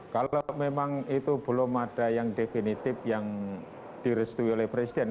kalau memang itu belum ada yang definitif yang direstui oleh presiden